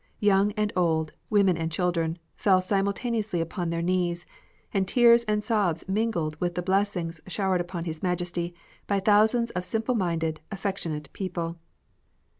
Young and old, women and children, fell simultaneously upon their knees, and tears and sobs mingled with the blessings showered upon His Majesty by thousands of his simple minded, affectionate people.